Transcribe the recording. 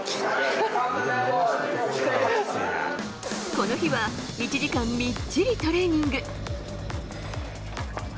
この日は１時間みっちりトレーニング。